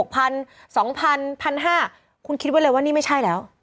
เพราะว่าคุณคิดว่าเลยว่านี่ไม่ใช่แล้ว